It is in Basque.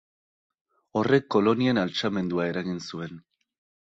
Horrek kolonien altxamendua eragin zuen.